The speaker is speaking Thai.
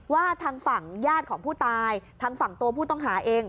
ว่าทางฝั่งญาติของผู้ตายทางฝั่งตัวผู้ต้องหาเอง